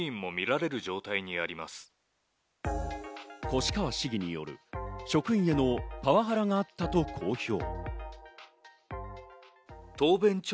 越川市議による、職員へのパワハラがあったと公表。